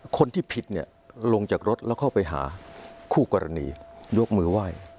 คนผิดลงจากรถเข้าก็ไปหาคู่กรณียกมือไหว้